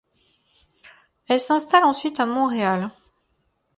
Elle s'installe ensuite à Montréal.